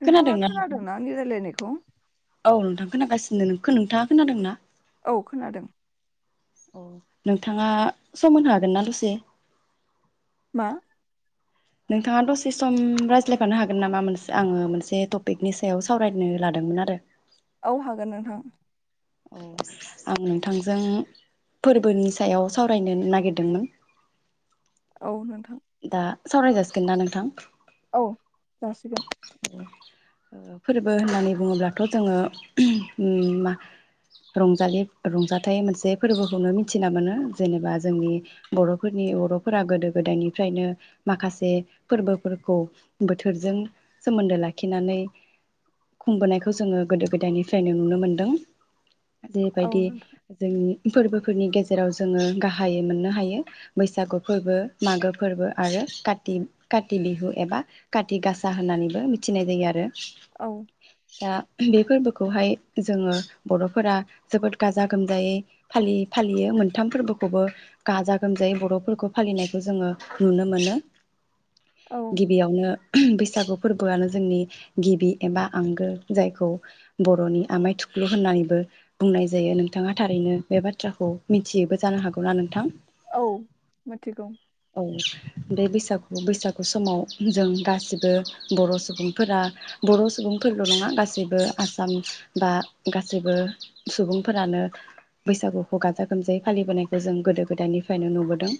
नोंथाङा खोनादोंना आंनि रायलायनायखौ? औ नोंथां खोनागासिनो नोंखो-नोंथाङा खोनादों ना? औ खोनादों। अ नोंथाङा सम होनो हागोनना दसे? मा? नोंथाङा दसे सम रायज्लायफानो हागोन नामा मोनसे आङो मोनसे टपिकनि सायाव सावरायनो लादोमोन आरो। औ हागोन नोंथां। अ आं नोंथांजों फोरबोनि सायाव सावरायनो नागिरदोंमोन। औ नोंथा दा सावराय जासिगोनना नोंथां? औ जासिगोन। ओ फोरबो होननानै बुङोब्लाथ' जोङो उम मा रंजालि रंजाथाइ मोनसे फोरबोखौनो मिथिना मोनो जेनेबा जोंनि बर'फोरनि बर'फोरा गोदो गोदायनि फ्रायनो माखासे फोरबोफोरखौ बोथोरजों सोमोन्दो लाखिनानै खुंबोनायखौ जोङो गोदो गोदायनिफ्रायनो नुनो मोनदों। औ जेबायदि नोंथां जोंनि फोरबोफोरनि गेजेराव जोङो गाहायै मोननो हायो बैसागु फोरबो मागो फोरबो आरो काटि-काटि बिहु एबा काटिगासा होननानैबो मिथिनाय जायो आरो औ उम बे फोरबोखौहाय जोङो बर'फोरा जोबोद गाजा गोमजायै फालि-फालियो मोनथाम फोरबोखौबो गाजा गोमजायै बर'फोरखौ फालिनायखौ जोङो नुनो मोनो औ गिबियावनो उम बैसागु फोरबोआनो जोंनि गिबि एबा आंगो जायखौ बर'नि आमाय थुख्लु होननानैबो बुंनाय जायो नोंथाङा थारैनो बे बाथ्राखौ मिथियोबो जानो हागौ ना नोंथां औ मिथिगौ औ बे बैसागु-बैसागु समाव जों गासैबो बर' सुबुंफोरा बर' सुबुंफोरल' नङा गासैबो आसाम बा गासैबो सुबुंफोरानो बैसागुखौ गाजा गोमजायै फालिबोनायखौ जों गोदो गोदायनिफायनो नुबोदों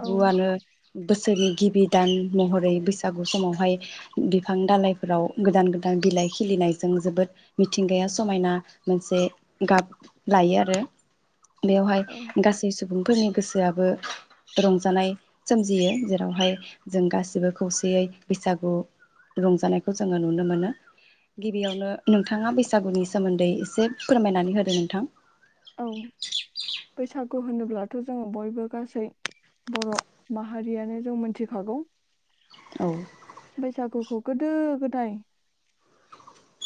औ बोसोरनि गिबि दान महरै बैसागु समावहाय बिफां दालइफोराव गोदान गोदान बिलाइ खिलिनायजों जोबोद मिथिंगाया समायना मोनसे गाब लायो आरो बेवहाय औ गासै सुबुंफोरनि गोसोआबो रंजानाय सोमजियो जेरावहाय जों गासिबो खौसेयै बैसागु रंजानायखौ जोङो नुनो मोनो गिबियावनो नोंथाङा बैसागुनि सोमोन्दै एसे फोरमायनानै होदो नोंथां औ बैसागु होनोब्लाथ' जोङो बयबो गासै बर' माहारियानो जों मोनथिखागौ औ बैसागुखौ गोदो गोदाय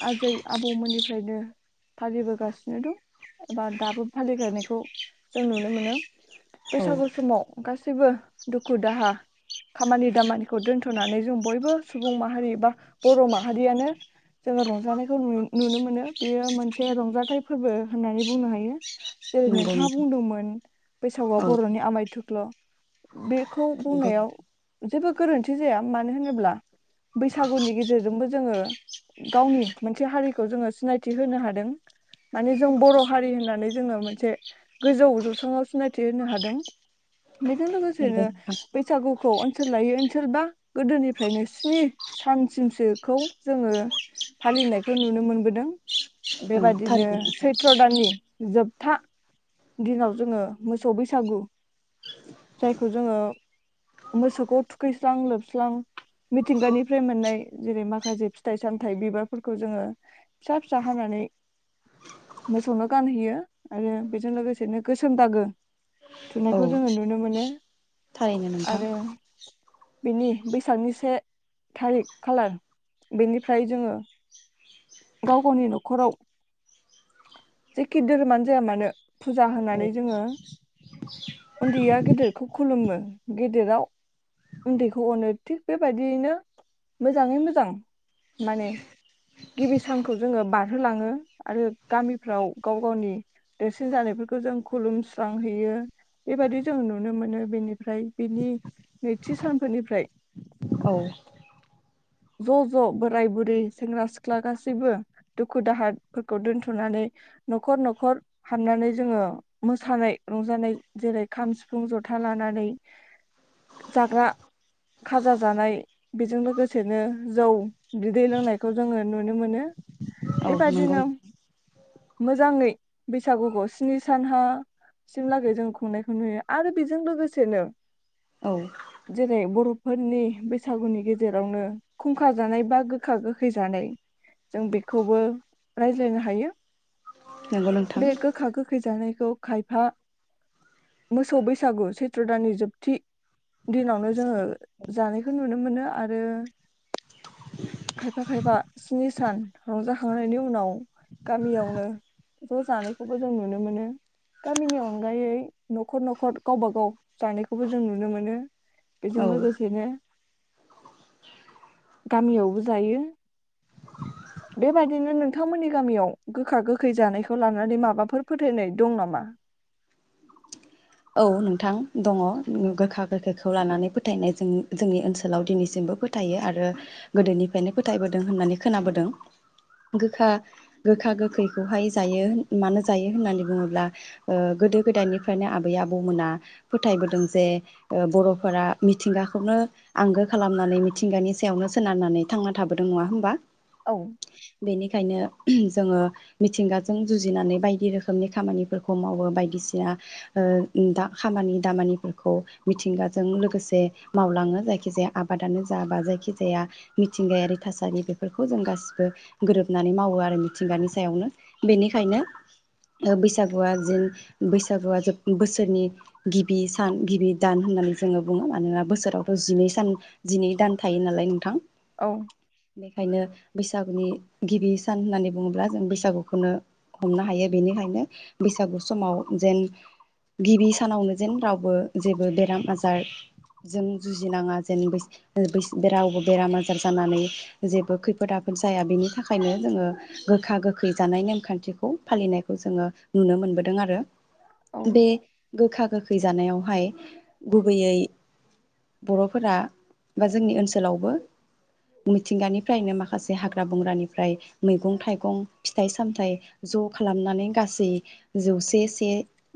आजै आबौमोननिफ्रायनो फालिबोगासिनो दं एबा दाबो फालिगारनायखौ जों नुनो मोनो औ बैसागु समाव गासैबो दुखु दाहा खामानि दामानिखौ दोनथ'नानै जों बयबो सुबुं माहारि बा बर' माहारियानो जोङो रंजानायखौ नुयो नुनो मोनो बेयो मोनसे रंजाथाइ फोरबो होननानै बुंनो हायो जेरै नंगौ नोंथाङा नोंथां बुंदोंमोन बैसागुआ औ बर'नि आमायथु ख्ल' बिख खौ नंगौ बुंनायाव जेबो गोरोन्थि जाया मानो होनोब्ला बैसागुनि गेजेरजोंबो जोङो गावनि मोनसे हारिखौ जोङो सिनायथि होनो हादों माने जों बर' हारि होननानै जोङो मोनसे गोजौ जौसाङाव सिनायथि होनो हादों । बेजों नंगौ लोगोसेनो नोंथां बैसागु खौ ओनसोल लायो ओनसोलबा गोदोनिफ्रायनो स्नि सानसिमसोखौ जोङो फालिनायखौ नुनो मोनबोदों । ओं बेबायादिनो थारैनो नोंथां सैथ्र' दाननि जोबथा दिनाव जोङो मोसौ बैसागु जायखौ जोङो मोसौखौ थुखैस्रां लोबस्रां मिथिंगानिफ्राय मोननाय जेरै माखासे फिथाइ सामथायाइ बिबारफोरखौ जोङो फिसा फिसा हानानै मोसौनो गानहैयो आरो बेज बेजों लोगोसेनो गोसोम दागो औ थुनायखौ जोङो नुनो मोनो । थारैनो नोंथां बेनि बैसागनि से थारिक खालार बेनिफ्राय जोङो गाव गावनि न'खराव जेखि धोरोमानो जाया मानो फुजा औ होनानै जोङो उन्दैया गेदेरखौ खुलुमो गेदेराव उन्दैखौ अनो थिग बेबायदियैनो मोजाङै मोजां माने गिबि सानखौ जोङो बारहोलाङो आरो गामिफ्राव गाव गावनि देरसिन जानायफोरखौ जों खुलुमस्रांहैयो बेबायदि जों नुनो मोनो बेनिफ्राय बेनि नैथि सानफोरनिफ्राय औ। ज ज बोराय बुरै सेंग्रा सिख्ला गासैबो दुखु दाहाफोरखौ दोनथनानै नखर नखर हाबनानै जोङो मोसानाय रंजानाय जेरै खाम सिफुं जथा लानानै जाग्रा खाजा जानाय बेजों लोगोसे सेनो जौ बिदै लोंनायखौ जोङो नुनो मोनो । औ नंगौ बेबायदिनो मोजाङै बैसागुखौ स्नि सानहाासिमलागै जों खुंनायखौ नुयो आरो बेजों लोगोसेनो औ। बरफोरनि बैसागुनि गेजेर नो खुंखा जानाय बा गोखा गोखै जानाय जों बेखौबो रायज्लायनो हायो नंगौ । नोंथां बे गोखा गोखै जानाय खायफा मोसौ बैसागु सैत्र दाननि जोबथि दिनावनो जोङो जानायखौ नुनो मोनो आरो आरो खायफा खायफा स्नि सान रंजाखांनायनि उनाव गामियावनो ज जानायखौबो जों नुनो मोनो गामिनि अनगायै नखर नखर गावबा गाव जानायखौबो जों नुनो मोनो । बेजों औ लोगोसेनो गामियावबो जायो बेबायदिनो नोंथांमोननि गामियाव गोखा गोखै जानायखौ लानानै माबाफोर फोथायनाय दं नामा? औ नोंथां दङ गोखा गोखैखौ लानानै फोथायनाय जों जोंनि ओनसोलाव दिनैसिमबो फोथायो आरो गोदोनिफ्रायनो फोथायबोदों होननानै खोनाबोदों गोखा गोखा गोखैखौहाय जायो मानो जायो होननानै बुङोब्ला ओ गोदो गोदायनिफ्रायनो आ आबै आबौमोना फोथायबोदों जे ओ बरफोरा मिथिंगाखौनो आंगो खालामनानै मिथिंगानि सायावनो सोनारनानै थांना थाबोदों नङा होमबा? औ। खायनो जोङो मिथिंगाजों जुजिनानै बायदि रोखोमनि खामानिफोरखौ मावो बायदिसिना ओ द खामानि दामानिफोरखौ मिथिंगाजों लोगोसे मावलाङो जायखिजाया आबादानो जा बा जायखिजाया मिथिंगायारि थासारि बेफोरखौ जों गासिबो गोरोबनानै मावो आरो मिथिंगानि सायावनो बेनिखायनो बैसागुआ जेन बैसागुआ जोब बोसोरनि गिबि सान गिबि दान होननानै जोङो बुङो मानोना बोसोरावथ जिनै सान जिनै दान थायो नालाय नोंथां औ। बेनिखायनो बैसागुनि गिबि सान होननानै बुङोब्ला जों बैसागुखौनो हमनो हायो बेनिखायनो बैसागु समाव जेन गिबि सानावनो जेन रावबो जेबो बेराम आजारजों जुजिनाङा जेन रावबो बेराम आजार जानानै जेबो खैफोद आफोद जाया बेनि थाखायनो जोङो गोखा गोखै जानाय नेमखान्थिखौ फालिनायखौ जोङो नुनो मोनबोदों आरो । औ बे गोखा गोखै जानायावहाय गुबैयै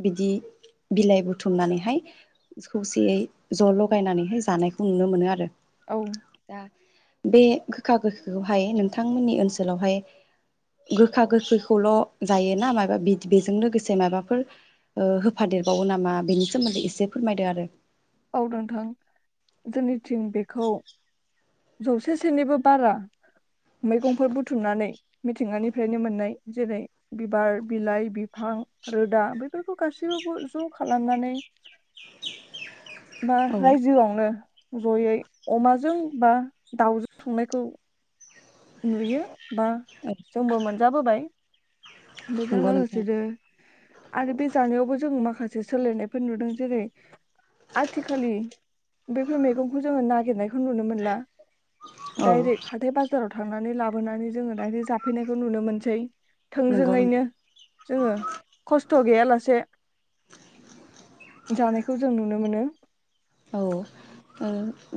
बिदि बिलाइ बुथुमनानैहाय खौसेयै ज' लगायनानैहाय जानायखौ नुनो मोनो आरो। औ दा बे गोखा गोखैखौहाय नोंथांमोननि ओनसोलावहाय गोखा गोखैखौल' जायोना मायबा बेद बेजों लोगोसे मायबाफोर ओ होफादेरबावो नामा बेनि सोमोन्दै एसे फोरमायदो आरो । औ नोंथां जोंनिथिं बेखौ जौसेसोनिबो बारा मैगंफोर बुथुमनानै मिथिंगानिफ्रायनो मोननाय जेरै बिबार बिलाइ बिफां रोदा बेफोरखौ गासैबो ज' खालामनानै बा औ रायजोआवनो ज'यै अमाजों बा दाउजों संनायखौ नुयो। बा जोंबो मोनजाबोबाय। बेजों नंगौ नोंथां लोगोसेनो आरो बे जानायावबो जों माखासे बे सोलायनायफोर नुदों जेरै आथिखालि बेफोर मैगंखौ जोङो नागिरनायखौ नुनो मोनला। औ दाइरेक्ट हाथाय बाजाराव थांनानै लाबोनानै जोङो दायरेक्ट जाफैनायखौ नुनो मोनसै। नंगौ नों थोंजोङैनो जोङो खस्थ' गैयालासे जानाय खौ जों नुनो मोनो। औ ओ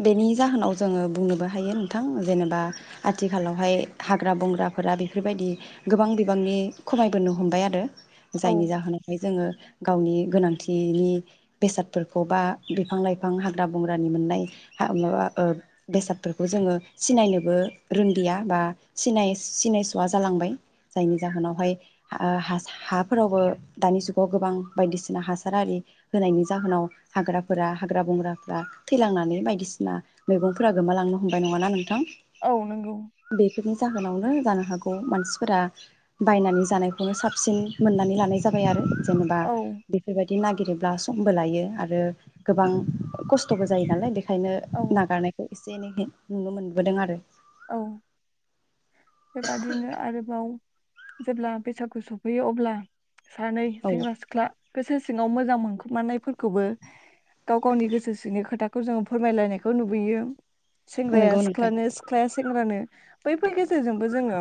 बेनि जाहोनाव जोङो बुंनोबो हायो नोंथां जेनेबा आथिखालावहाय हाग्रा बंग्राफोरा बेफोरबायदि गोबां बिबांनि खमायबोनो हमबाय आरो। औ जायनि जाहोनावहाय जोङो गावनि गोनांथिनि बेसादफोरखौ बा बिफां लाइ फां हाग्रा बंग्रानि मोननाय हा माबा बेसादफोरखौ जोङो सिनायनोबो रुदिया बा सिनाय सिनायस'आ जालांबाय जायनि जाहोनावहाय हाफोरावबो दानि जुगाव गोबां बायदिसिना हासार आरि होनायनि जाहोनाव हाग्राफोरा हाग्रा बंग्राफ्रा थैलांनानै बायदिसिना मैगंफोरा गोमालांनो हमबाय नङाना नों थां औ नंगौ बेफोरनि जाहोनाव नो जानो हागौ मानसिफोरा बायनानै जानायखौनो साबसिन मोननानै लानाय जाबाय आरो। जेनेबा औ बेफोरबायदि दि नागिरोब्ला समबो लायो आरो। गोबां खस्थ'बो जायो नालाय बे ओंखायनो औ नागारनायखौ एसे एनैहै नुनो मोनबोदों आरो। औ बेबादिनो आरोबाव जेब्ला बैसागु सफैयो अब्ला सानै औ सेंग्रा सिख्ला गोसो सिङाव मोजां मोनखुमानायफोरखौबो गाव गावनि गोसो सिंनि खोथाखौ जोङो फोरमायलायनायखौ नुबोयो। सेंग्राया नंगौ नोंथां सिख्लानो सि सेंग्रानो बैफोर गेजेरजोंबो जोङो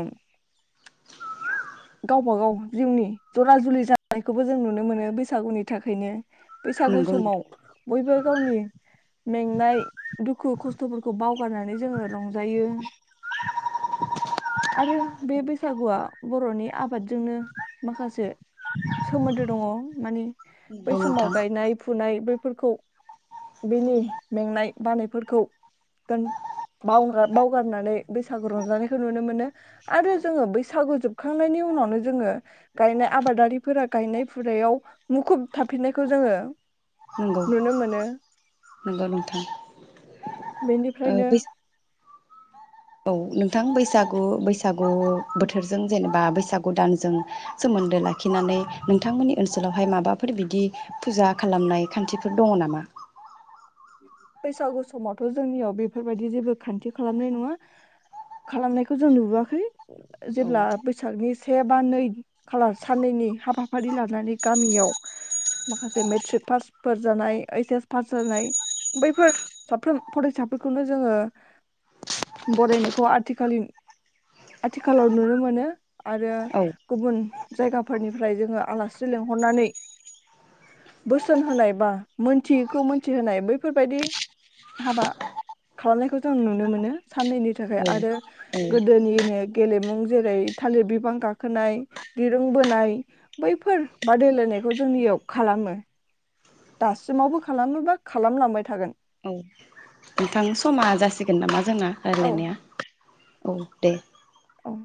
गावबा गाव जिउनि जरा जुलि जानायखौबो जों नुनो मोनो बैसागुनि थाखायनो। बैसागु नंगौ समाव नोंथां बयबो गावनि मेंनाय दुखु खस्थफोरखौ बावगारनानै जोङो रं बियो आरो बे बैसागुआ बरनि आबादजोंनो माखासे सोमोन्दो दङ माने बै नंगौ समाव नोंथां गायनाय फुनाय बै फोरखौ बिनि मेंनाय बानायफोरखौ गान बाउगार बावगारनानै बैसागु रंजानायखौ नुनो मोनो आरो जोङो बैसागु जोब खांनायनि उनावनो जोङो गायनाय आबादारिफोरा गायनाय फुनायाव मुखुब थाफिननायखौ जोङो नंगौ नुनो मोनो नंगौ नोंथां ओ बेनिफ्रायनो बैस औ नोंथां बैसागु बैसाग गु बोथोरजों जेनेबा बैसागु दानजों सोमोन्दो लाखिनानै नोंथांमोननि ओनसोलावहाय माबाफोर बिदि फुजा खालामनाय खान्थिफोर दङ नामा बैसागु समावथ जोंनियाव बेफोरबायदि जेबो खान्थि खालामनाय नङा खालामनायखौ जों नुबोआखै औ जेब्ला बैसागनि से बा नै खालार साननैनि हाबाफारि लानानै गामियाव माखासे मेट्रिक पासफोर जानाय ओइस एस पास जानाय बैफोर साफ्रोम फरायसाफोरखौनो जोङो बरायनायखौ आथिखालिन आथिखालाव नुनो मोनो आरो औ गुबुन जायगाफोरनिफ्राय जोङो आलासि लेंंहरनानै बोसोन होनाय बा मोनथियैखौ मोनथिहोनाय बै बेफोरबायदि हाबा खालामनायखौ जों नुनो मोनो साननैनि थाखाय औ आरो औ गोदोनिनो गेलेमु जेरै थालिर बिफां गाखोनाय दिरुंबोनाय बैफोर बादायलायनायखौ जोंनियाव खालामो दासिमावबो खालामोबा खालामलांबाय थागोन । औ नोंथां समा जासिगोन नामा? जोंना औ रायलायनाया । औ दे । औ